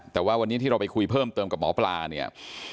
แต่ว่าวันนี้ที่เราไปคุยเพิ่มเติมกับหมอปลาเนี่ย